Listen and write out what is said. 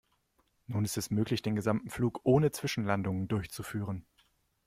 Nun ist es möglich, den gesamten Flug ohne Zwischenlandungen durchzuführen.